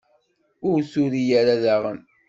Ur turi ara daɣen.